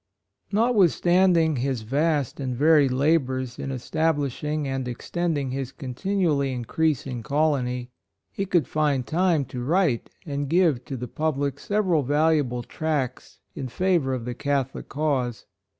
OTWITHSTANDING his vast and varied la bors in establishing and extending his continually increasing colony, he could find time to write and give to the public several valuable tracts in favor of the Catholic cause.